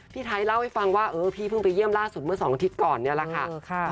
พี่ไทยเล่าให้ฟังว่าเออพี่เพิ่งไปเยี่ยมล่าสุดเมื่อ๒อาทิตย์ก่อนเนี่ยแหละค่ะ